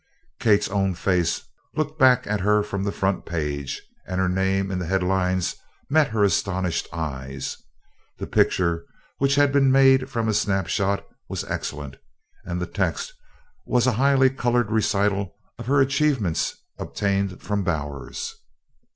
Kate's own face looked back at her from the front page and her name in the headlines met her astonished eyes. The picture, which had been made from a snapshot, was excellent, and the text was a highly colored recital of her achievements obtained from Bowers.